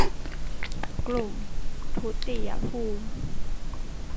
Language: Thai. กลุ่มทุติยภูมิ